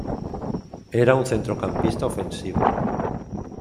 Era un centrocampista ofensivo.